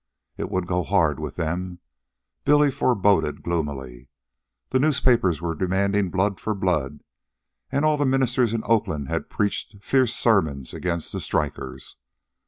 It would go hard with them, Billy foreboded gloomily. The newspapers were demanding blood for blood, and all the ministers in Oakland had preached fierce sermons against the strikers.